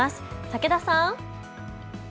武田さん。